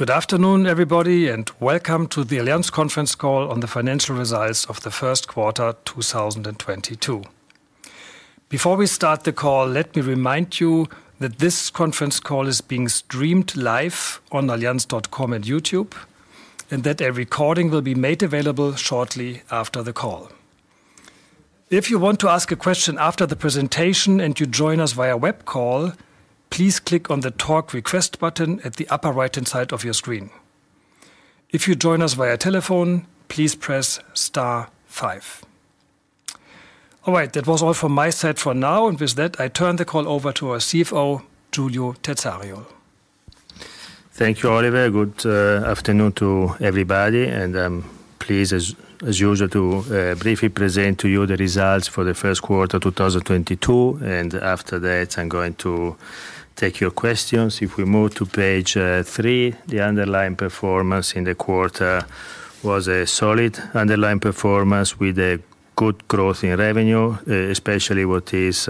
Good afternoon, everybody, and welcome to the Allianz Conference Call on the Financial Results of the First Quarter 2022. Before we start the call, let me remind you that this conference call is being streamed live on allianz.com and YouTube, and that a recording will be made available shortly after the call. If you want to ask a question after the presentation and you join us via web call, please click on the Talk Request button at the upper right-hand side of your screen. If you join us via telephone, please press star five. All right. That was all from my side for now, and with that, I turn the call over to our CFO, Giulio Terzariol. Thank you, Oliver. Good afternoon to everybody. I'm pleased as usual to briefly present to you the results for the first quarter 2022, and after that, I'm going to take your questions. If we move to page three. The underlying performance in the quarter was a solid underlying performance with a good growth in revenue. Especially, what is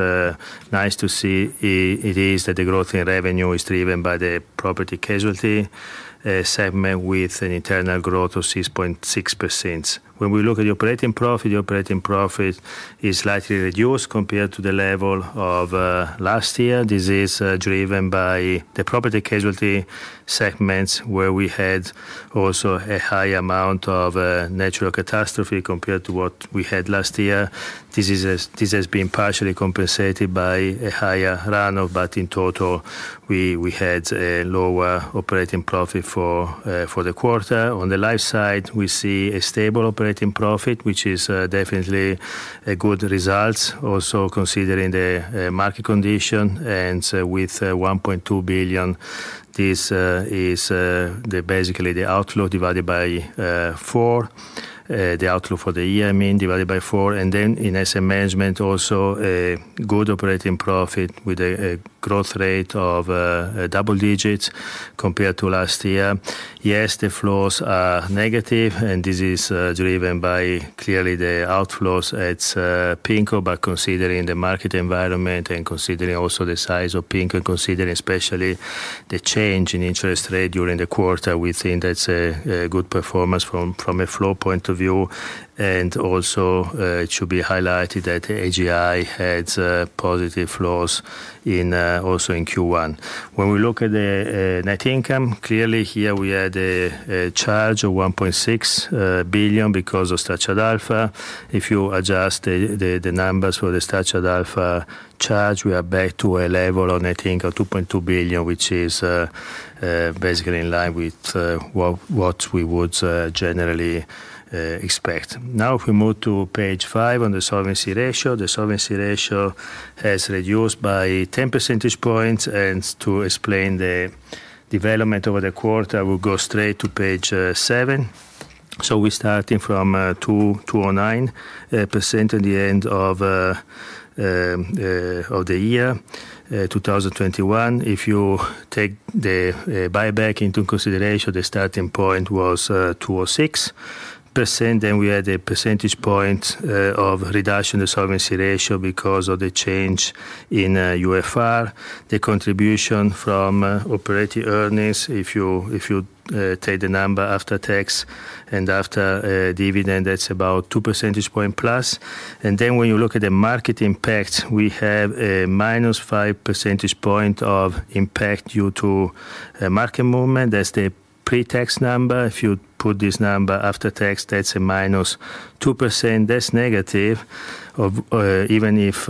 nice to see is that the growth in revenue is driven by the Property Casualty segment with an internal growth of 6.6%. When we look at the operating profit, the operating profit is slightly reduced compared to the level of last year. This is driven by the Property Casualty segments, where we had also a high amount of natural catastrophe compared to what we had last year. This has been partially compensated by a higher run-off, but in total, we had a lower operating profit for the quarter. On the life side, we see a stable operating profit, which is definitely a good results also considering the market condition. With 1.2 billion, this is basically the outflow divided by four, the outflow for the year, I mean, divided by four. In asset management also a good operating profit with a growth rate of double digits compared to last year. Yes, the flows are negative, and this is driven by clearly the outflows at PIMCO. Considering the market environment and considering also the size of PIMCO, considering especially the change in interest rates during the quarter, we think that's a good performance from a flow point of view. It should be highlighted that AGI had positive flows also in Q1. When we look at the net income, clearly here we had a charge of 1.6 billion because of Structured Alpha. If you adjust the numbers for the Structured Alpha charge, we are back to a level of net income of 2.2 billion, which is basically in line with what we would generally expect. Now, if we move to page five on the solvency ratio. The solvency ratio has reduced by 10 percentage points. To explain the development over the quarter, we'll go straight to page seven. We're starting from 209% at the end of the year 2021. If you take the buyback into consideration, the starting point was 206%, and we had a percentage point of reduction in the solvency ratio because of the change in UFR. The contribution from operating earnings, if you take the number after tax and after dividend, that's about 2 percentage point plus. When you look at the market impact, we have a -5 percentage point of impact due to a market movement. That's the pre-tax number. If you put this number after tax, that's a -2%. That's negative even if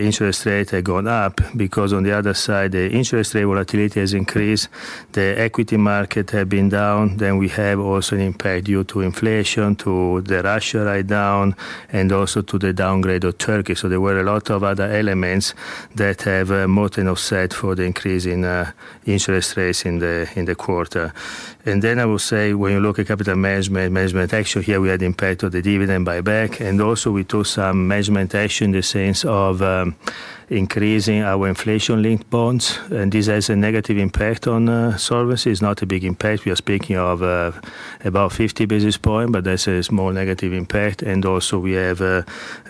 interest rates have gone up, because on the other side, the interest rate volatility has increased, the equity markets have been down. We have also an impact due to inflation, to the Russia write-down, and also to the downgrade of Turkey. There were a lot of other elements that have more than offset the increase in interest rates in the quarter. I will say, when you look at capital management action here, we had impact of the dividend buyback. We took some management action in the sense of increasing our inflation-linked bonds, and this has a negative impact on solvency. It's not a big impact. We are speaking of about 50 basis points, but that's a small negative impact. We have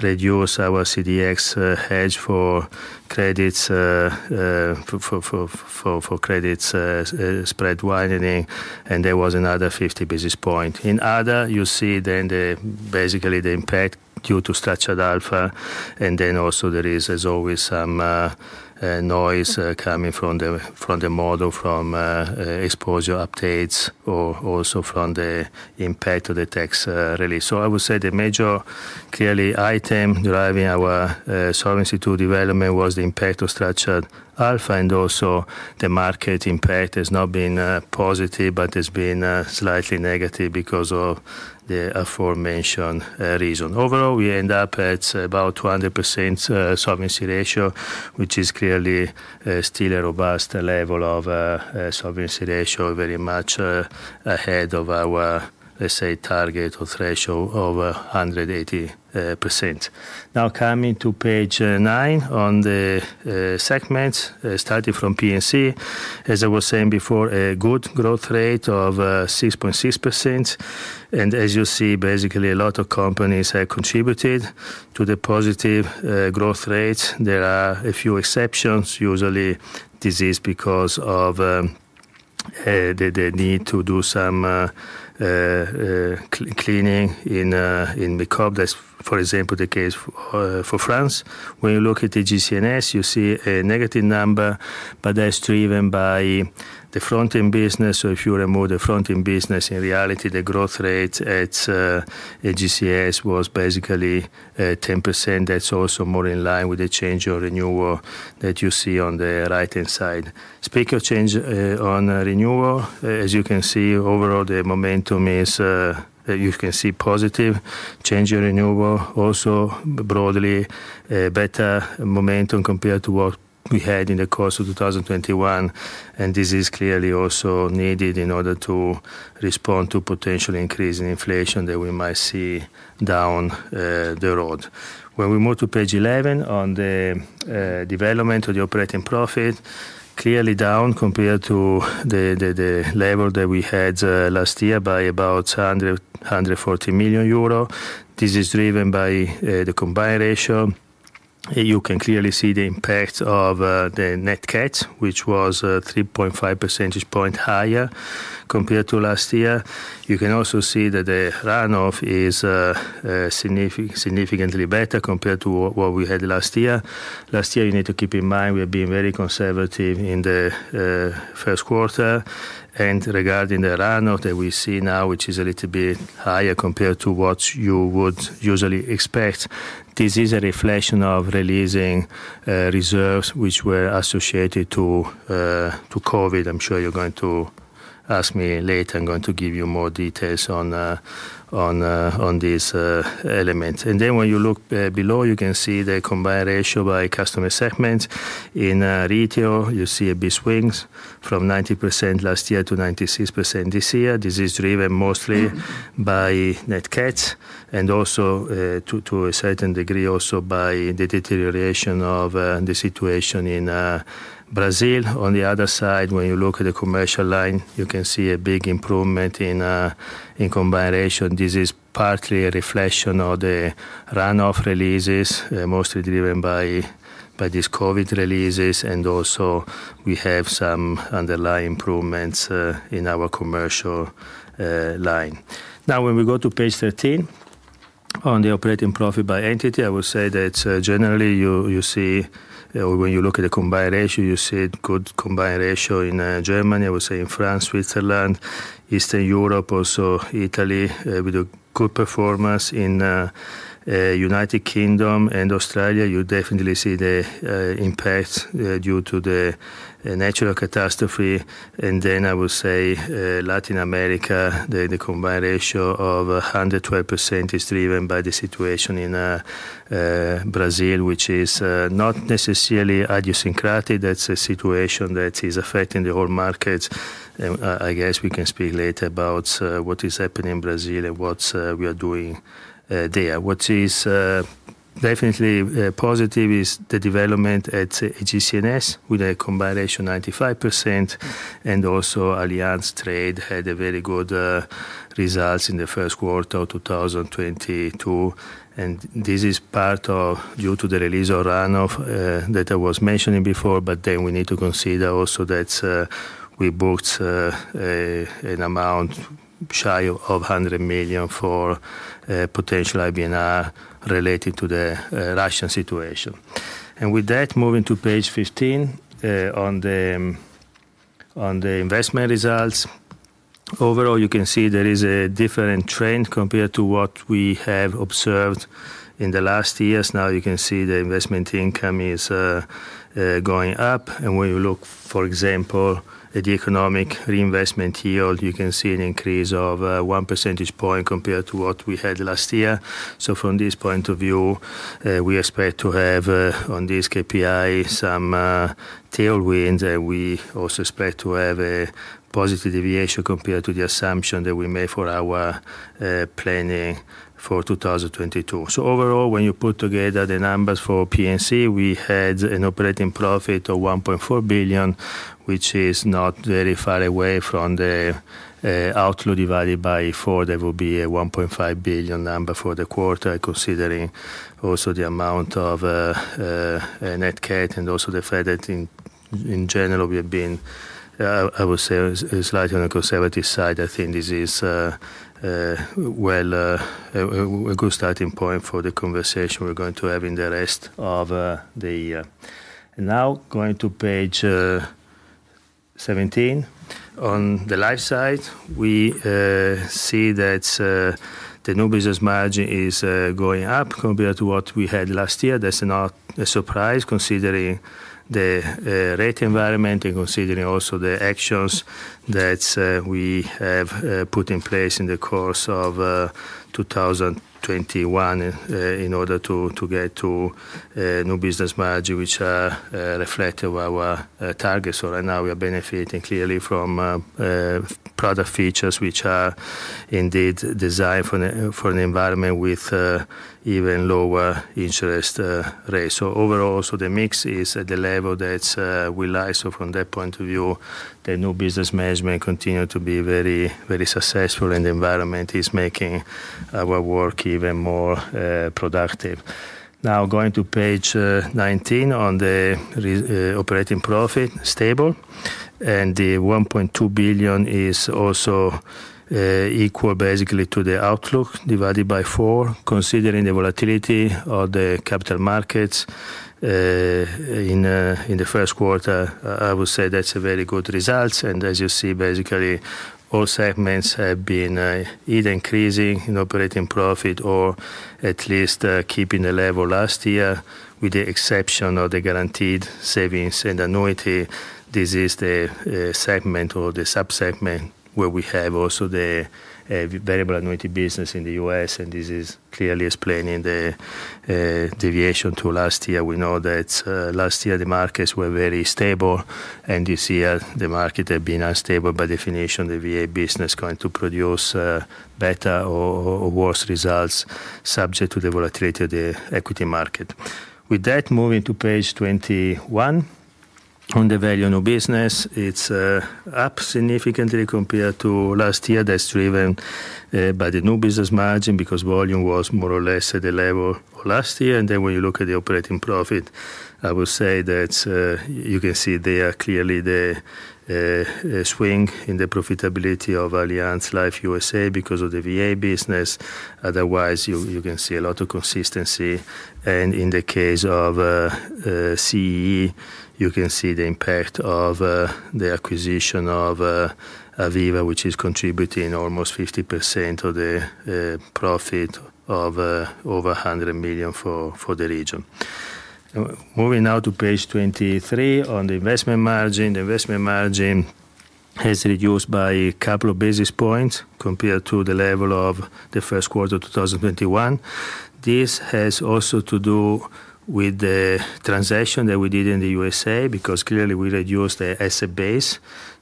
reduced our CDX hedge for credits spread widening. There was another 50 basis points. In other, you see then basically the impact due to Structured Alpha. Then also there is as always some noise coming from the model, from exposure updates or also from the impact of the tax relief. I would say the major clearly item driving our Solvency II development was the impact of Structured Alpha, and also the market impact has not been positive, but has been slightly negative because of the aforementioned reason. Overall, we end up at about 200% solvency ratio, which is clearly still a robust level of solvency ratio, very much ahead of our, let's say, target or threshold of 180%. Now coming to page nine on the segments, starting from P&C. As I was saying before, a good growth rate of 6.6%. As you see, basically a lot of companies have contributed to the positive growth rate. There are a few exceptions. Usually this is because they need to do some cleaning in the book. That's, for example, the case for France. When you look at the AGCS, you see a negative number, but that's driven by the fronting business. If you remove the fronting business, in reality, the growth rate at AGCS was basically 10%. That's also more in line with the change on renewal that you see on the right-hand side. Speaking of change on renewal, as you can see, overall, the momentum is you can see positive change in renewal, also broadly better momentum compared to what we had in the course of 2021. This is clearly also needed in order to respond to potential increase in inflation that we might see down the road. When we move to page 11 on the development of the operating profit, clearly down compared to the level that we had last year by about 140 million euro. This is driven by the combined ratio. You can clearly see the impact of the net CAT, which was 3.5 percentage point higher compared to last year. You can also see that the run-off is significantly better compared to what we had last year. Last year, you need to keep in mind we are being very conservative in the first quarter. Regarding the run-off that we see now, which is a little bit higher compared to what you would usually expect, this is a reflection of releasing reserves which were associated to COVID. I'm sure you're going to ask me later. I'm going to give you more details on this element. Then when you look below, you can see the combined ratio by customer segment. In retail, you see a big swings from 90% last year to 96% this year. This is driven mostly by net CAT and also to a certain degree also by the deterioration of the situation in Brazil. On the other side, when you look at the commercial line, you can see a big improvement in combined ratio. This is partly a reflection of the run-off releases, mostly driven by these COVID releases and also we have some underlying improvements in our commercial line. Now, when we go to page 13 on the operating profit by entity, I would say that generally you see when you look at the combined ratio, you see good combined ratio in Germany, I would say in France, Switzerland, Eastern Europe, also Italy with a good performance. In the United Kingdom and Australia, you definitely see the impact due to the natural catastrophe. Then I would say Latin America, the combined ratio of 112% is driven by the situation in Brazil, which is not necessarily idiosyncratic. That's a situation that is affecting the whole markets. I guess we can speak later about what is happening in Brazil and what we are doing there. What is definitely positive is the development at AGCS with a combined ratio 95% and also Allianz Trade had a very good results in the first quarter of 2022. This is partly due to the release of run-off that I was mentioning before. We need to consider also that we booked an amount shy of 100 million for potential IBNR related to the Russian situation. With that, moving to page 15 on the investment results. Overall, you can see there is a different trend compared to what we have observed in the last years. Now you can see the investment income is going up. When you look, for example, at the economic reinvestment yield, you can see an increase of 1 percentage point compared to what we had last year. From this point of view, we expect to have on this KPI some tailwinds, and we also expect to have a positive deviation compared to the assumption that we made for our planning for 2022. Overall, when you put together the numbers for P&C, we had an operating profit of 1.4 billion, which is not very far away from the outflow divided by four. That would be a 1.5 billion number for the quarter, considering also the amount of net CAT and also the fact that in general, we have been, I would say slightly on the conservative side. I think this is well, a good starting point for the conversation we're going to have in the rest of the. Now going to page 17. On the life side, we see that the new business margin is going up compared to what we had last year. That's not a surprise considering the rate environment and considering also the actions that we have put in place in the course of 2021 in order to get to new business margin which reflect our targets. Right now we are benefiting clearly from product features which are indeed designed for an environment with even lower interest rates. Overall also the mix is at the level that we like. From that point of view, the new business management continue to be very, very successful and the environment is making our work even more productive. Now going to page 19 on the operating profit, stable. The 1.2 billion is also equal basically to the outlook divided by four, considering the volatility of the capital markets in the first quarter. I would say that's a very good results. As you see, basically all segments have been either increasing in operating profit or at least keeping the level last year, with the exception of the guaranteed savings and annuity. This is the segment or the sub-segment where we have also the variable annuity business in the U.S., and this clearly explains the deviation to last year. We know that last year the markets were very stable and this year the market had been unstable. By definition, the VA business going to produce better or worse results subject to the volatility of the equity market. With that, moving to page 21 on the value of new business. It's up significantly compared to last year. That's driven by the new business margin, because volume was more or less at the level of last year. When you look at the operating profit, I will say that you can see there clearly the swing in the profitability of Allianz Life USA because of the VA business. Otherwise, you can see a lot of consistency. In the case of CEE, you can see the impact of the acquisition of Aviva, which is contributing almost 50% of the profit of over 100 million for the region. Moving now to page 23 on the investment margin. The investment margin has reduced by a couple of basis points compared to the level of the first quarter of 2021. This has also to do with the transaction that we did in the USA, because clearly we reduced the asset base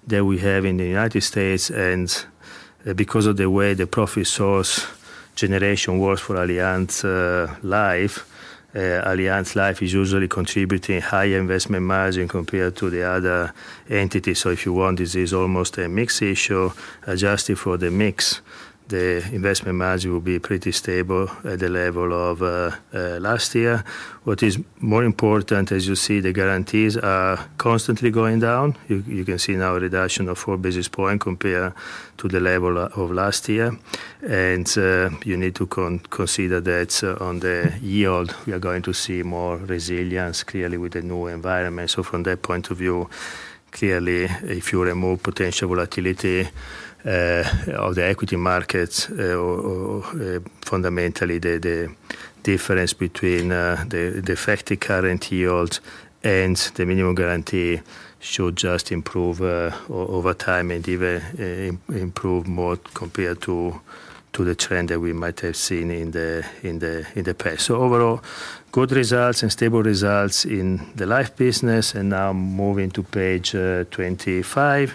that we have in the United States and because of the way the profit source generation works for Allianz Life. Allianz Life is usually contributing higher investment margin compared to the other entities. If you want, this is almost a mix issue. Adjusted for the mix, the investment margin will be pretty stable at the level of last year. What is more important, as you see, the guarantees are constantly going down. You can see now a reduction of four basis points compared to the level of last year. You need to consider that on the yield, we are going to see more resilience clearly with the new environment. From that point of view, clearly, if you remove potential volatility of the equity markets, fundamentally the difference between the effective current yield and the minimum guarantee should just improve over time and even improve more compared to the trend that we might have seen in the past. Overall, good results and stable results in the life business. Now moving to page 25,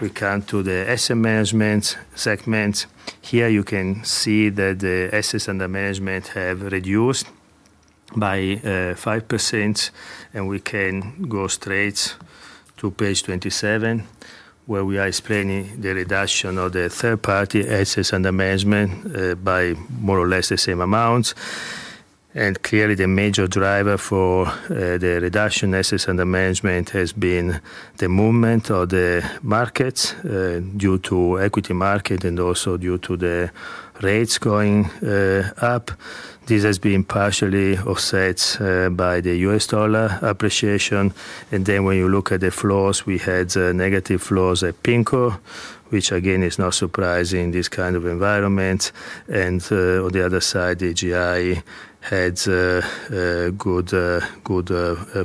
we come to the asset management segment. Here you can see that the assets under management have reduced by 5%, and we can go straight to page 27, where we are explaining the reduction of the third-party assets under management by more or less the same amount. Clearly, the major driver for the reduction of assets under management has been the movement of the markets due to equity market and also due to the rates going up. This has been partially offset by the U.S. dollar appreciation. Then when you look at the flows, we had negative flows at PIMCO, which again is not surprising in this kind of environment. On the other side, AGI had good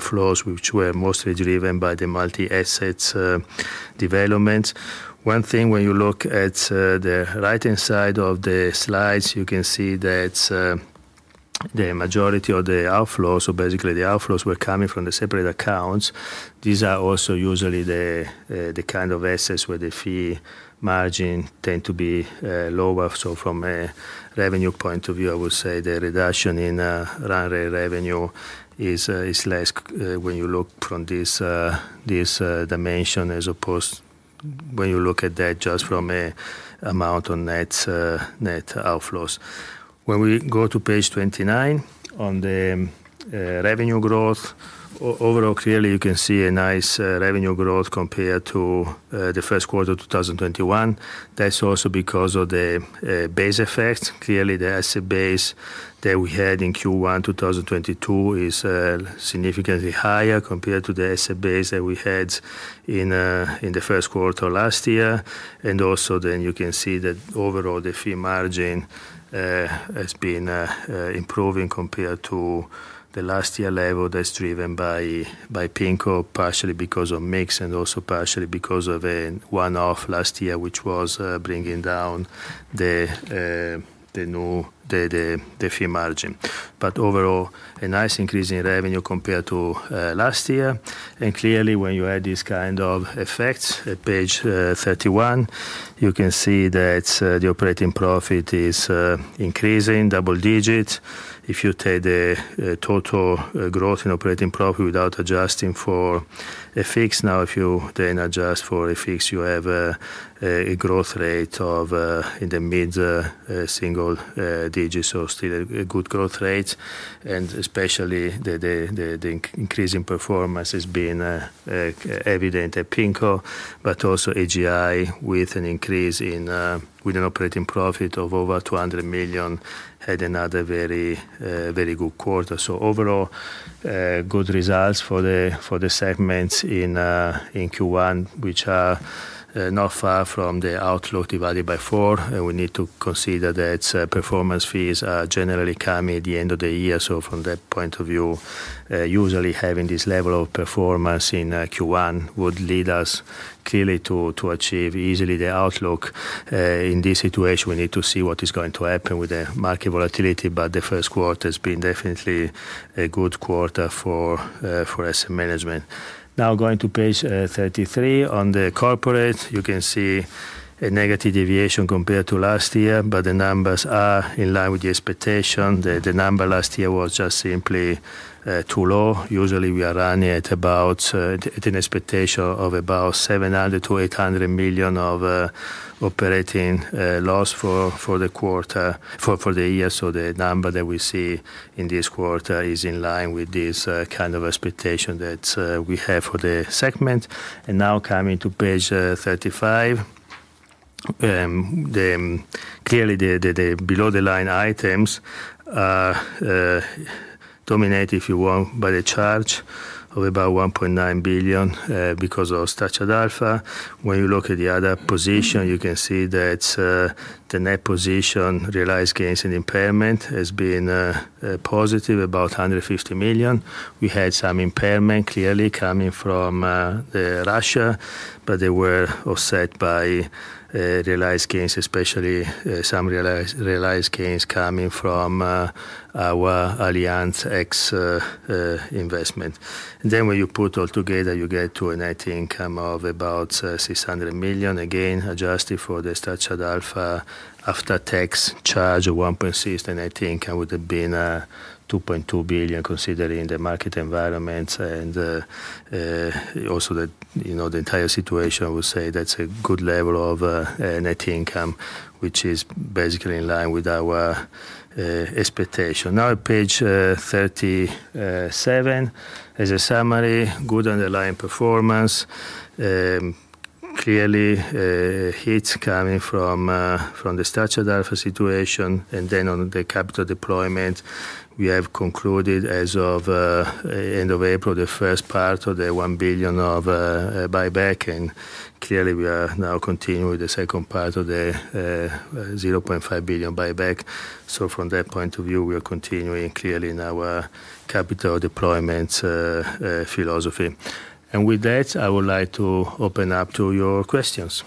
flows, which were mostly driven by the multi-assets development. One thing, when you look at the right-hand side of the slides, you can see that the majority of the outflows. Basically the outflows were coming from the separate accounts. These are also usually the kind of assets where the fee margin tend to be lower. From a revenue point of view, I would say the reduction in run rate revenue is less when you look from this dimension, as opposed when you look at that just from an amount on net net outflows. When we go to page 29 on the revenue growth, overall, clearly you can see a nice revenue growth compared to the first quarter of 2021. That's also because of the base effect. Clearly, the asset base that we had in Q1 2022 is significantly higher compared to the asset base that we had in the first quarter last year. Also then you can see that overall the fee margin has been improving compared to the last year level that's driven by PIMCO, partially because of mix and also partially because of a one-off last year, which was bringing down the fee margin. Overall a nice increase in revenue compared to last year. Clearly when you add these kind of effects at page 31, you can see that the operating profit is increasing double digits. If you take the total growth in operating profit without adjusting for FX. Now, if you then adjust for FX, you have a growth rate in the mid-single digits or still a good growth rate, and especially the increasing performance has been evident at PIMCO. AGI with an increase in operating profit of over 200 million had another very good quarter. Overall, good results for the segments in Q1, which are not far from the outlook divided by four. We need to consider that performance fees are generally coming at the end of the year. From that point of view, usually having this level of performance in Q1 would lead us clearly to achieve easily the outlook. In this situation, we need to see what is going to happen with the market volatility. The first quarter has been definitely a good quarter for asset management. Now going to page 33 on the corporate. You can see a negative deviation compared to last year, but the numbers are in line with the expectation. The number last year was just simply too low. Usually, we are running at an expectation of about 700 million-800 million operating loss for the quarter, for the year. The number that we see in this quarter is in line with this kind of expectation that we have for the segment. Now coming to page 35. Clearly, the below-the-line items are dominated, if you will, by the charge of about 1.9 billion because of Structured Alpha. When you look at the other position, you can see that the net position realized gains and impairment has been positive, about 150 million. We had some impairment clearly coming from Russia, but they were offset by realized gains, especially some realized gains coming from our Allianz X investment. When you put it all together, you get to a net income of about 600 million, again, adjusted for the Structured Alpha after-tax charge of 1.6 billion. Net income would have been 2.2 billion considering the market environment and also, you know, the entire situation. I would say that's a good level of net income, which is basically in line with our expectation. Now page 37. As a summary, good underlying performance. Clearly, hits coming from the Structured Alpha situation. On the capital deployment, we have concluded as of end of April, the first part of the 1 billion of buyback. Clearly we are now continuing with the second part of the 0.5 billion buyback. From that point of view, we are continuing clearly in our capital deployment philosophy. With that, I would like to open up to your questions.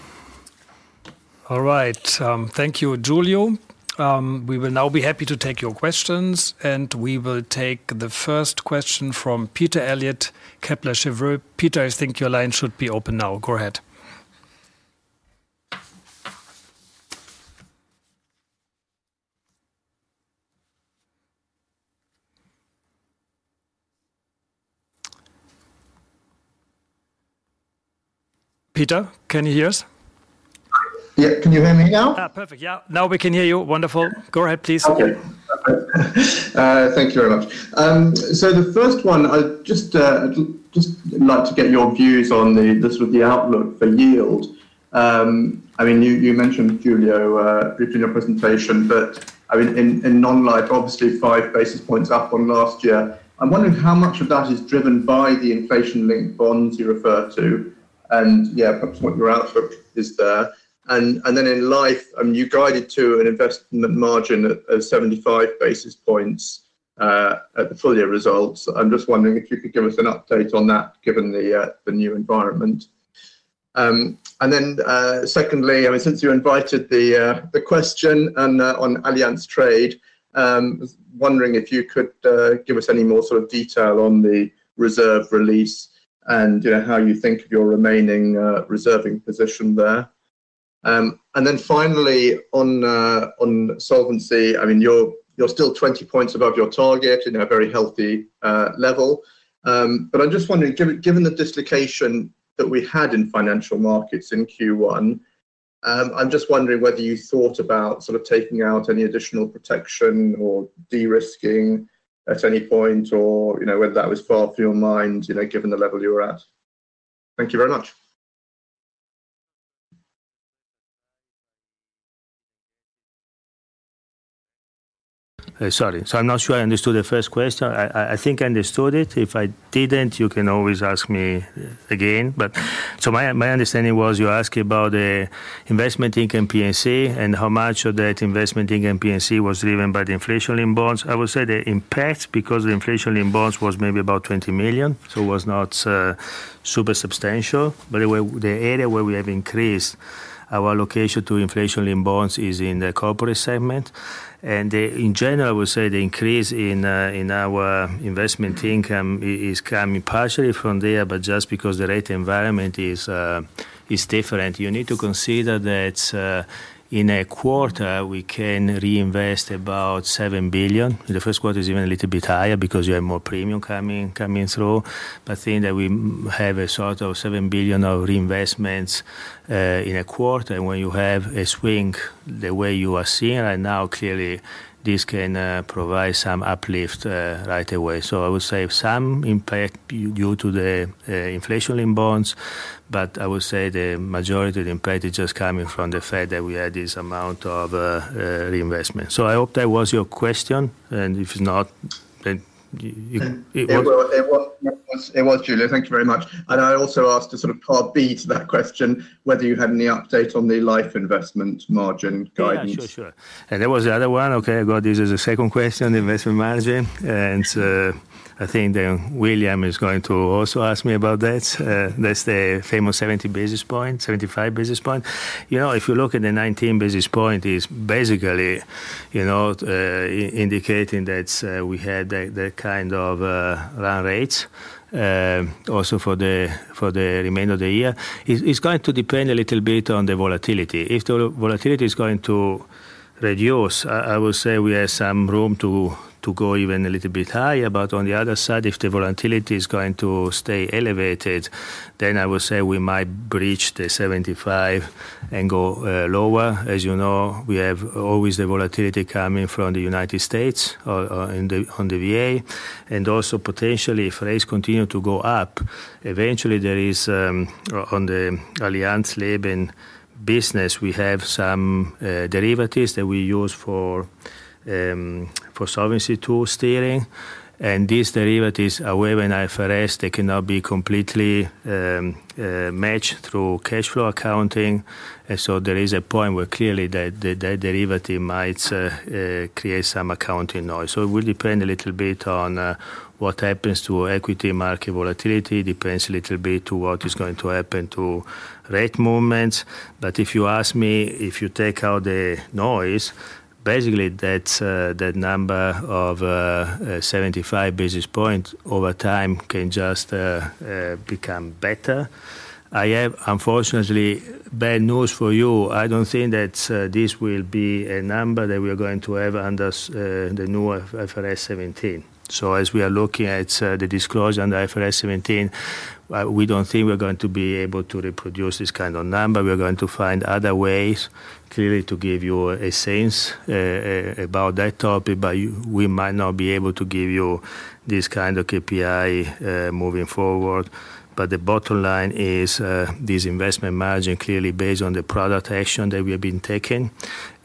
All right. Thank you, Giulio. We will now be happy to take your questions, and we will take the first question from Peter Eliot, Kepler Cheuvreux. Peter, I think your line should be open now. Go ahead. Peter, can you hear us? Yeah. Can you hear me now? Perfect. Yeah. Now we can hear you. Wonderful. Go ahead, please. Okay. Thank you very much. So the first one, I'd just like to get your views on the sort of outlook for yield. I mean, you mentioned, Giulio, in your presentation, but I mean, in non-life, obviously five basis points up on last year. I'm wondering how much of that is driven by the inflation-linked bonds you refer to, and yeah, perhaps what your outlook is there. Then in Life, you guided to an investment margin at 75 basis points at the full year results. I'm just wondering if you could give us an update on that given the new environment. Secondly, I mean, since you invited the question on Allianz Trade, was wondering if you could give us any more sort of detail on the reserve release and, you know, how you think of your remaining reserving position there. Finally on solvency, I mean, you're still 20 points above your target in a very healthy level. I'm just wondering given the dislocation that we had in financial markets in Q1, I'm just wondering whether you thought about sort of taking out any additional protection or de-risking at any point or, you know, whether that was far from your mind, you know, given the level you were at. Thank you very much. Sorry. I'm not sure I understood the first question. I think I understood it. If I didn't, you can always ask me again. My understanding was you ask about the investment income P&C, and how much of that investment income P&C was driven by the inflation-linked bonds. I would say the impact, because the inflation-linked bonds was maybe about 20 million, so it was not super substantial. By the way, the area where we have increased our allocation to inflation-linked bonds is in the corporate segment. In general, I would say the increase in our investment income is coming partially from there, but just because the rate environment is different. You need to consider that in a quarter, we can reinvest about 7 billion. The first quarter is even a little bit higher because you have more premium coming through. I think that we have a sort of 7 billion of reinvestments in a quarter. When you have a swing the way you are seeing right now, clearly this can provide some uplift right away. I would say some impact due to the inflation in bonds, but I would say the majority of the impact is just coming from the fact that we had this amount of reinvestment. I hope that was your question. If not, then you It was, Giulio. Thank you very much. I also asked a sort of part B to that question, whether you had any update on the Life investment margin guidance. Yeah, sure. There was the other one. Okay, I got this as a second question, investment margin. I think that William is going to also ask me about that. That's the famous 70 basis point, 75 basis point. You know, if you look at the 19 basis point, it's basically, you know, indicating that we had the kind of run rates also for the remainder of the year. It's going to depend a little bit on the volatility. If the volatility is going to reduce, I would say we have some room to go even a little bit higher. But on the other side, if the volatility is going to stay elevated, then I would say we might breach the 75 and go lower. As you know, we have always the volatility coming from the United States, on the VA. Also potentially if rates continue to go up, eventually there is, on the Allianz Leben business, we have some derivatives that we use for solvency tool steering. These derivatives are when IFRS, they cannot be completely matched through cash flow accounting. There is a point where clearly the derivative might create some accounting noise. It will depend a little bit on what happens to equity market volatility. Depends a little bit to what is going to happen to rate movements. If you ask me, if you take out the noise, basically that number of 75 basis points over time can just become better. I have, unfortunately, bad news for you. I don't think that this will be a number that we are going to have under the new IFRS 17. As we are looking at the disclosure under IFRS 17, we don't think we're going to be able to reproduce this kind of number. We are going to find other ways. Clearly to give you a sense about that topic, we might not be able to give you this kind of KPI moving forward. The bottom line is this investment margin clearly based on the product action that we have been taking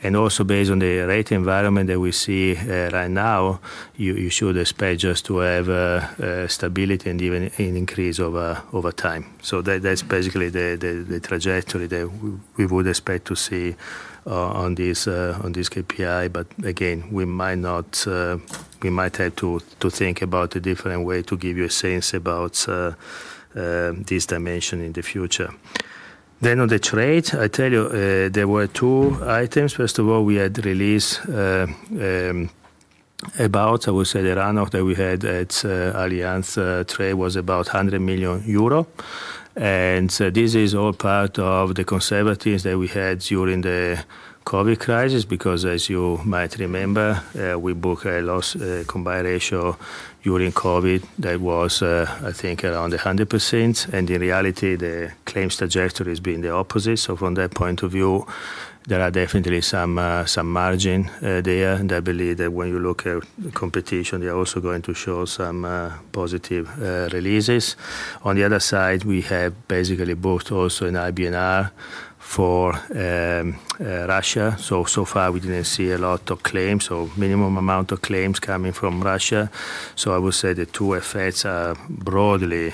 and also based on the rate environment that we see right now, you should expect just to have stability and even an increase over time. That's basically the trajectory that we would expect to see on this KPI. Again, we might have to think about a different way to give you a sense about this dimension in the future. On Trade, I tell you, there were two items. First of all, we had released about, I would say, the run-off that we had at Allianz Trade was about 100 million euro. This is all part of the reserves that we had during the COVID crisis, because as you might remember, we booked a loss, combined ratio during COVID that was, I think, around 100%. In reality, the claims trajectory has been the opposite. From that point of view, there are definitely some margin there. I believe that when you look at competition, they are also going to show some positive releases. On the other side, we have basically both also an IBNR for Russia. So far we did not see a lot of claims, or minimum amount of claims coming from Russia. I would say the two effects are broadly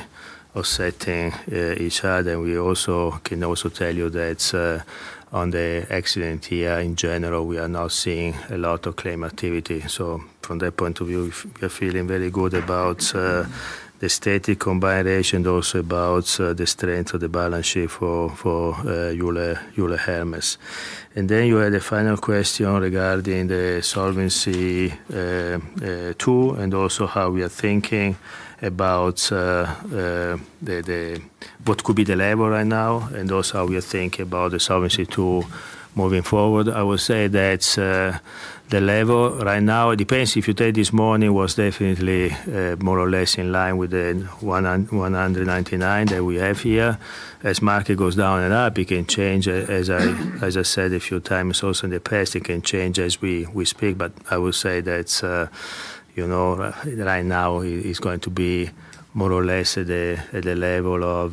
offsetting each other. We also can tell you that on the accident year in general, we are now seeing a lot of claim activity. From that point of view, we are feeling very good about the static combined, also about the strength of the balance sheet for Euler Hermes. You had a final question regarding the Solvency II and also how we are thinking about what could be the level right now, and also how we are thinking about the Solvency II moving forward. I would say that the level right now, it depends if you take this morning, was definitely more or less in line with the 199% that we have here. As market goes down and up, it can change, as I said a few times also in the past, it can change as we speak. I will say that you know right now it is going to be more or less at the level of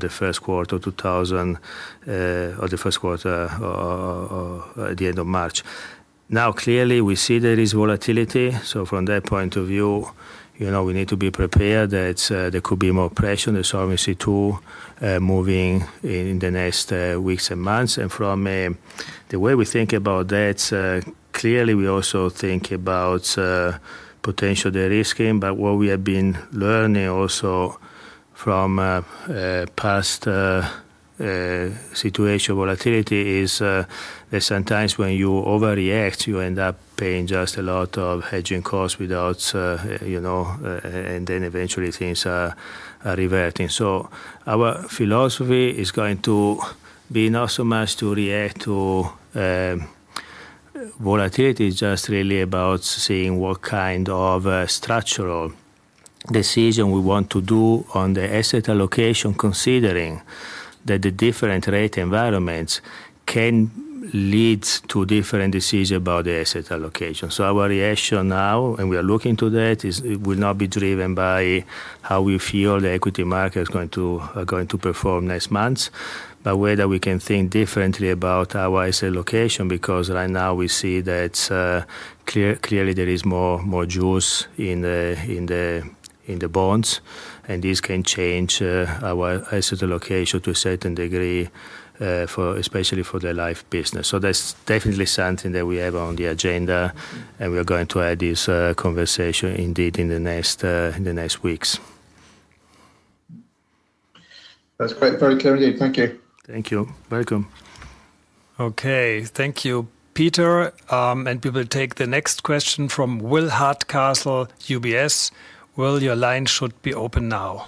the first quarter 2020 or the first quarter at the end of March. Now clearly we see there is volatility, so from that point of view, you know, we need to be prepared that there could be more pressure on the Solvency II moving in the next weeks and months. From the way we think about that, clearly we also think about potentially de-risking. What we have been learning also from past situation volatility is that sometimes when you overreact, you end up paying just a lot of hedging costs without, you know, and then eventually things are reverting. Our philosophy is going to be not so much to react to volatility, it's just really about seeing what kind of structural decision we want to do on the asset allocation, considering that the different rate environments can lead to different decision about the asset allocation. Our reaction now, and we are looking to that, is it will not be driven by how we feel the equity market is going to perform next month, but whether we can think differently about our asset allocation because right now we see that clearly there is more juice in the bonds and this can change our asset allocation to a certain degree, especially for the life business. That's definitely something that we have on the agenda, and we are going to have this conversation indeed in the next weeks. That's great. Very clear indeed. Thank you. Thank you. Welcome. Okay. Thank you, Peter. We will take the next question from Will Hardcastle, UBS. Will, your line should be open now.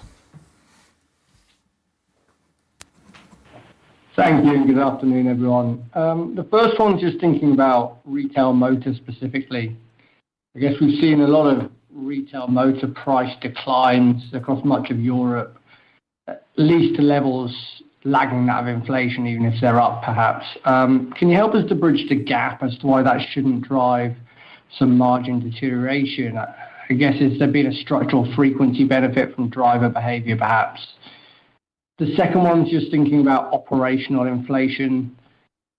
Thank you, and good afternoon, everyone. The first one is just thinking about retail motor specifically. I guess we've seen a lot of retail motor price declines across much of Europe, at least levels lagging that of inflation, even if they're up perhaps. Can you help us to bridge the gap as to why that shouldn't drive some margin deterioration? I guess, has there been a structural frequency benefit from driver behavior, perhaps? The second one is just thinking about operational inflation.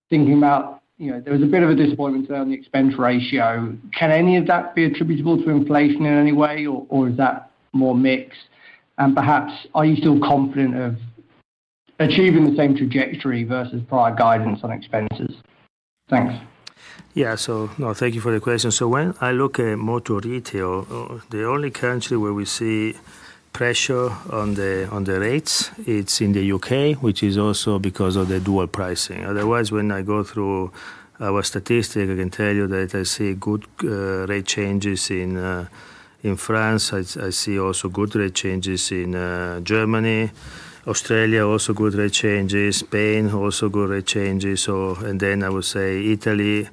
Thinking about, you know, there was a bit of a disappointment around the expense ratio. Can any of that be attributable to inflation in any way or is that more mixed? Perhaps are you still confident of achieving the same trajectory versus prior guidance on expenses? Thanks. Yeah. No, thank you for the question. When I look at motor retail, the only country where we see pressure on the rates, it's in the U.K., which is also because of the dual pricing. Otherwise, when I go through our statistic, I can tell you that I see good rate changes in France. I see also good rate changes in Germany. Australia, also good rate changes. Spain, also good rate changes. And then I would say Italy,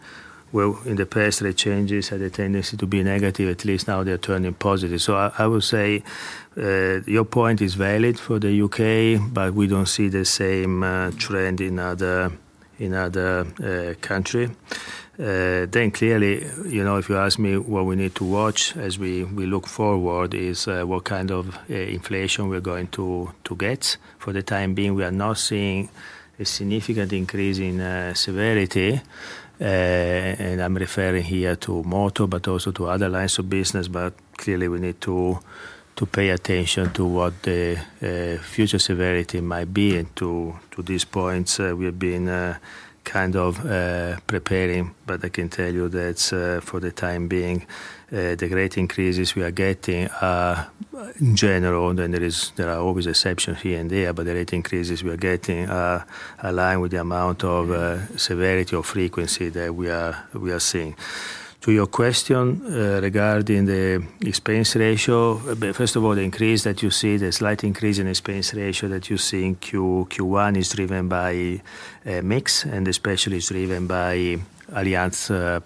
where in the past rate changes had a tendency to be negative, at least now they're turning positive. I would say your point is valid for the U.K., but we don't see the same trend in other country. Clearly, you know, if you ask me what we need to watch as we look forward is what kind of inflation we are going to get. For the time being, we are not seeing a significant increase in severity. I'm referring here to motor but also to other lines of business. Clearly we need to pay attention to what the future severity might be. To these points, we have been kind of preparing. I can tell you that, for the time being, the rate increases we are getting in general, there are always exceptions here and there, but the rate increases we are getting are aligned with the amount of severity or frequency that we are seeing. To your question, regarding the expense ratio. First of all, the increase that you see, the slight increase in expense ratio that you see in Q1 is driven by mix, and especially it's driven by Allianz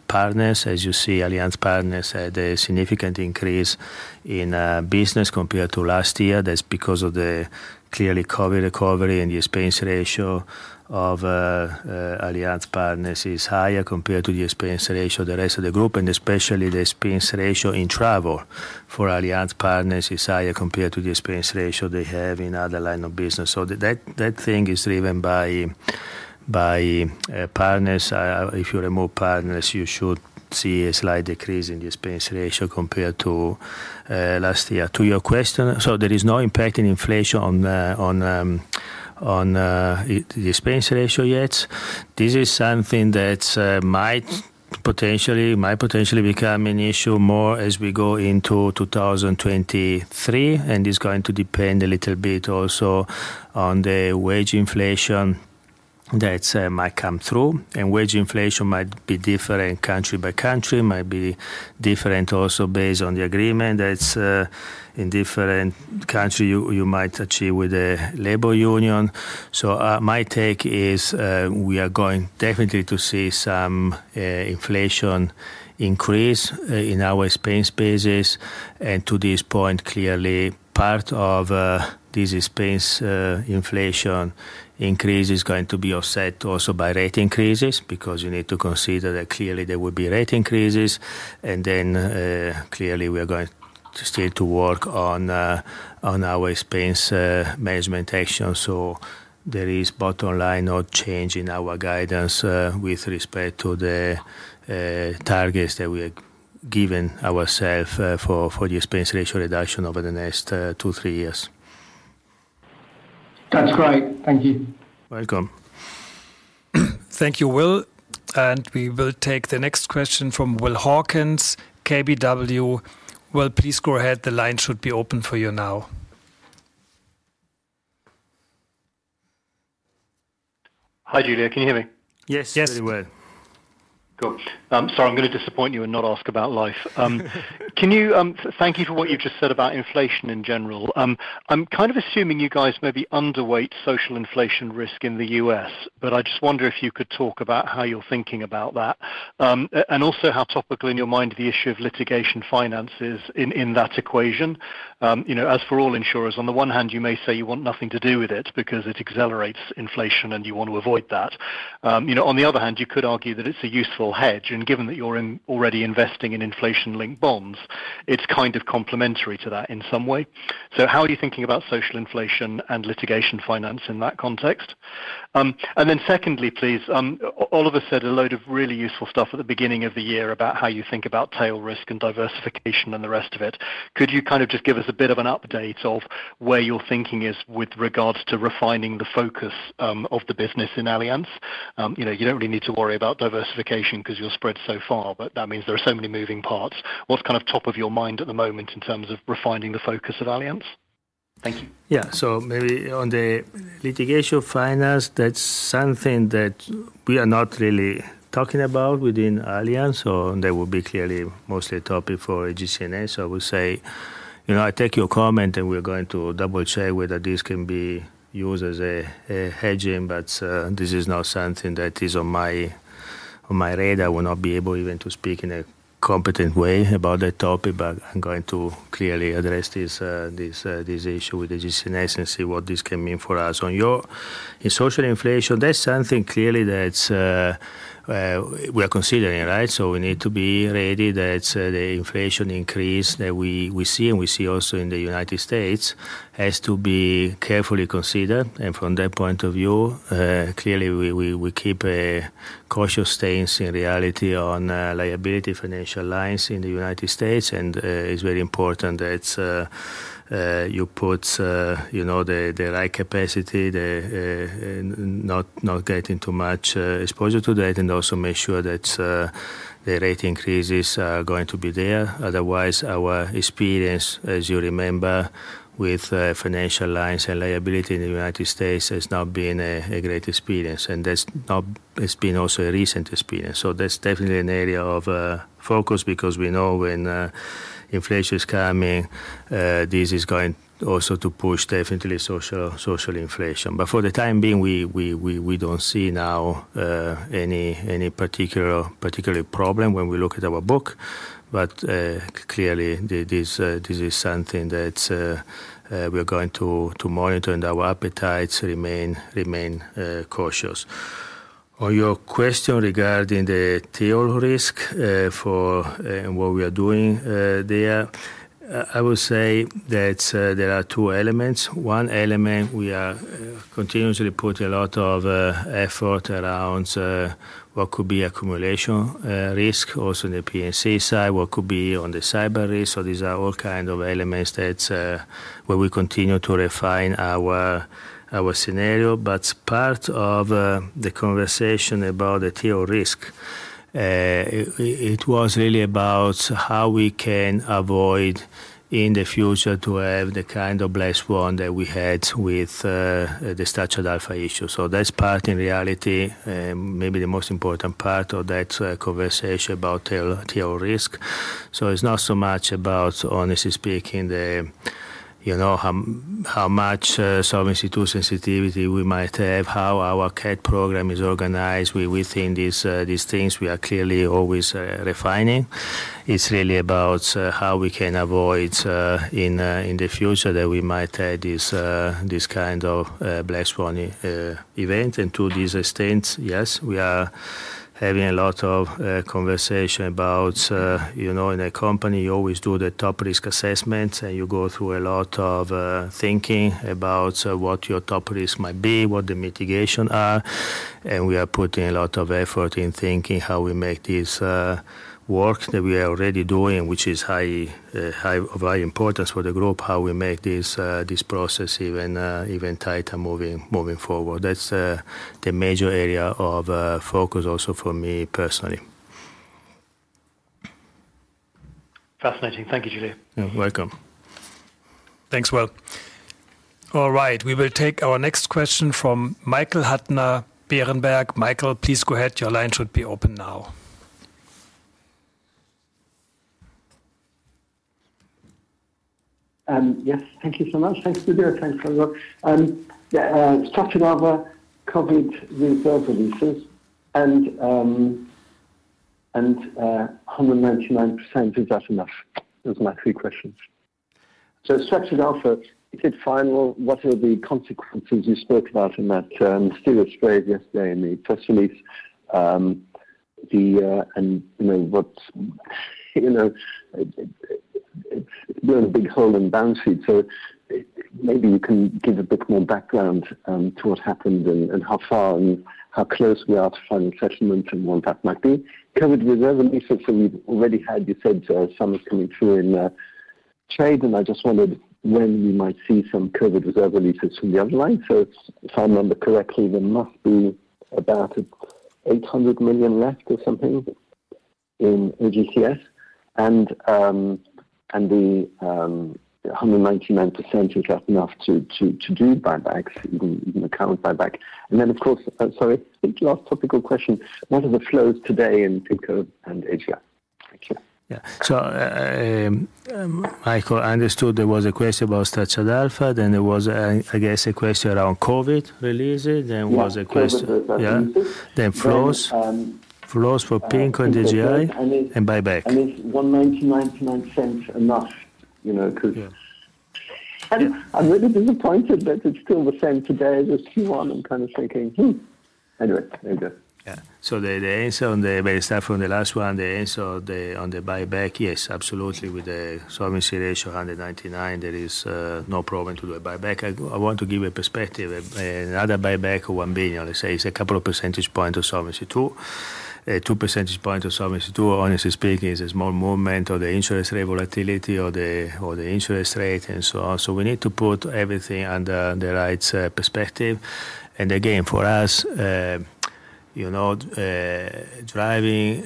Partners. As you see, Allianz Partners had a significant increase in business compared to last year. That's because of the clear COVID recovery and the expense ratio of Allianz Partners is higher compared to the expense ratio of the rest of the group, and especially the expense ratio in travel for Allianz Partners is higher compared to the expense ratio they have in other line of business. That thing is driven by Partners. If you remove Partners, you should see a slight decrease in the expense ratio compared to last year. To your question, there is no impact in inflation on the expense ratio yet. This is something that might potentially become an issue more as we go into 2023, and it's going to depend a little bit also on the wage inflation that might come through. Wage inflation might be different country by country, might be different also based on the agreement that's in different country you might achieve with the labor union. My take is we are going definitely to see some inflation increase in our expense bases. To this point, clearly part of this expense inflation increase is going to be offset also by rate increases because you need to consider that clearly there will be rate increases. Clearly we are going to still work on our expense management action. There is no change in our guidance with respect to the targets that we have given ourselves for the expense ratio reduction over the next two to three years. That's great. Thank you. Welcome. Thank you, Will. We will take the next question from Will Hawkins, KBW. Will, please go ahead. The line should be open for you now. Hi, Giulio. Can you hear me? Yes. Yes. Very well. Good. I'm gonna disappoint you and not ask about life. Thank you for what you just said about inflation in general. I'm kind of assuming you guys may be underweight social inflation risk in the U.S., but I just wonder if you could talk about how you're thinking about that. And also how topically in your mind the issue of litigation finance is in that equation. You know, as for all insurers, on the one hand you may say you want nothing to do with it because it accelerates inflation, and you want to avoid that. You know, on the other hand, you could argue that it's a useful hedge, and given that you're already investing in inflation-linked bonds, it's kind of complementary to that in some way. How are you thinking about social inflation and litigation finance in that context? Then secondly, please, Oliver said a load of really useful stuff at the beginning of the year about how you think about tail risk and diversification and the rest of it. Could you kind of just give us a bit of an update of where your thinking is with regards to refining the focus of the business in Allianz? You know, you don't really need to worry about diversification 'cause you're spread so far, but that means there are so many moving parts. What's kind of top of your mind at the moment in terms of refining the focus of Allianz? Thank you. Yeah. Maybe on the litigation finance, that's something that we are not really talking about within Allianz. That would be clearly mostly a topic for AGCS. I would say, you know, I take your comment, and we're going to double-check whether this can be used as a hedging. This is not something that is on my radar. I will not be able even to speak in a competent way about that topic, but I'm going to clearly address this issue with the AGCS and see what this can mean for us. In social inflation, that's something clearly that we are considering, right? We need to be ready that the inflation increase that we see and we see also in the United States has to be carefully considered. From that point of view, clearly we keep a cautious stance in reality on liability financial lines in the United States. It's very important that you put you know the right capacity, not getting too much exposure to that and also make sure that the rate increases are going to be there. Otherwise, our experience, as you remember, with financial lines and liability in the United States has not been a great experience, and that's not. It's been also a recent experience. That's definitely an area of focus because we know when inflation is coming, this is going also to push definitely social inflation. For the time being, we don't see now any particular problem when we look at our book. Clearly this is something that we are going to monitor, and our appetites remain cautious. On your question regarding the tail risk, for what we are doing, there, I would say that there are two elements. One element, we are continuously put a lot of effort around what could be accumulation risk also in the P&C side, what could be on the cyber risk. So these are all kind of elements that where we continue to refine our scenario. Part of the conversation about the tail risk, it was really about how we can avoid in the future to have the kind of self-inflicted wound that we had with the Structured Alpha issue. That's part in reality, maybe the most important part of that conversation about tail risk. It's not so much about, honestly speaking, you know, how much some institutional sensitivity we might have, how our CAT program is organized. We think these things we are clearly always refining. It's really about how we can avoid in the future that we might have this kind of black swan event. To this extent, yes, we are having a lot of conversation about, you know, in a company, you always do the top risk assessment, and you go through a lot of thinking about what your top risk might be, what the mitigation are. We are putting a lot of effort in thinking how we make this work that we are already doing, which is of high importance for the group, how we make this process even tighter moving forward. That's the major area of focus also for me personally. Fascinating. Thank you, Giulio. You're welcome. Thanks. Well. All right. We will take our next question from Michael Huttner, Berenberg. Michael, please go ahead. Your line should be open now. Yes. Thank you so much. Thanks, Giulio. Thanks, everyone. Yeah, Structured Alpha, COVID reserve releases, and 199%, is that enough? Those are my three questions. Structured Alpha, if it's final, what are the consequences you spoke about in that [still state] yesterday in the press release, the and, you know, what's, you know, burn a big hole in balance sheet. Maybe you can give a bit more background to what happened and how far and how close we are to finding settlement and what that might be. COVID reserve releases, we've already had, you said, some is coming through in Allianz Trade, and I just wondered when we might see some COVID reserve releases from the other line. If I remember correctly, there must be about 800 million left or something in AGCS. The 199%, is that enough to do buybacks, even share buyback? Of course, sorry, one last topical question, what are the flows today in PIMCO and AGI? Thank you. Yeah. Michael, I understood there was a question about Structured Alpha, then there was a, I guess, a question around COVID releases. Yeah. There was a question. COVID reserve releases. Yeah. Flows. Then, um- Flows for PIMCO and AGI. PIMCO and AGI. Buyback. Is 199% enough? You know, Yes. I'm really disappointed that it's still the same today as Q1. I'm kinda thinking, "Hmm." Anyway, there you go. Yeah. The answer on the very start from the last one, the answer on the buyback, yes, absolutely. With the Solvency ratio 199%, there is no problem to do a buyback. I want to give a perspective. Another buyback of 1 billion, let's say, is a couple of percentage points of Solvency II. 2 percentage points of Solvency II, honestly speaking, is a small movement of the interest rate volatility or the interest rate and so on. We need to put everything under the right perspective. Again, for us, you know, driving